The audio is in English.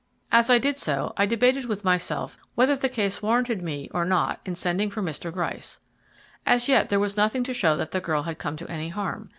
As I did so I debated with myself whether the case warranted me or not in sending for Mr. Gryce. As yet there was nothing to show that the girl had come to any harm.